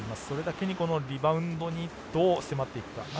それだけにリバウンドにどう迫っていくか。